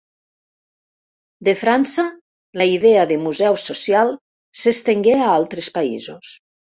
De França la idea de Museu Social s'estengué a altres països.